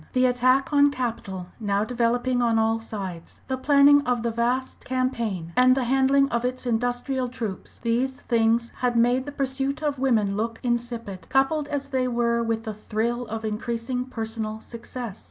The attack on capital now developing on all sides, the planning of the vast campaign, and the handling of its industrial troops, these things had made the pursuit of women look insipid, coupled as they were with the thrill of increasing personal success.